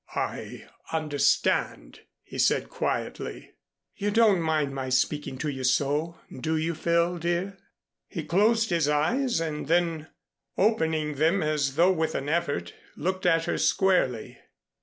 "I understand," he said quietly. "You don't mind my speaking to you so, do you, Phil, dear?" He closed his eyes, and then opening them as though with an effort, looked at her squarely.